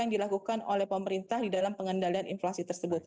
yang dilakukan oleh pemerintah di dalam pengendalian inflasi tersebut